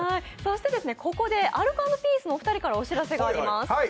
ここでアルコ＆ピースのお二人からお知らせがあります。